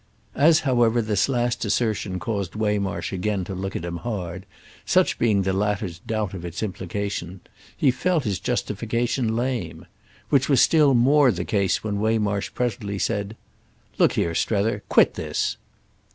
As, however, this last assertion caused Waymarsh again to look at him hard—such being the latter's doubt of its implications—he felt his justification lame. Which was still more the case when Waymarsh presently said: "Look here, Strether. Quit this."